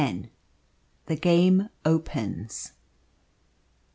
THE GAME OPENS.